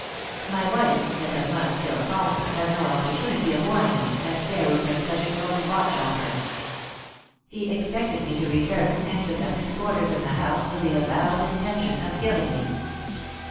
"'My wife as I must still call her had no opportunity of warning me, as Carew kept such a close watch on her. He expected me to return, and took up his quarters in the house with the avowed intention of killing me.